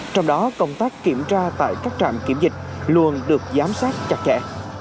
trong đó công tác kiểm tra tại các trạm kiểm dịch luôn được giám sát chặt chẽ